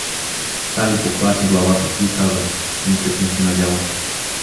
Сали поклати главата си и каза: — Никак не се надявам.